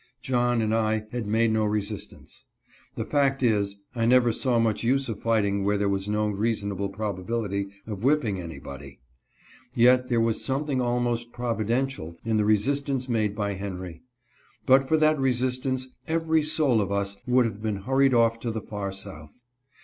John and I had made no resistance. The fact is, I never saw much use of fighting where there was no reasonable probability of whipping anybody. Yet there was something almost providential in the resistance made by Henry. But for that resistance every soul of us would have been hurried off to the far South.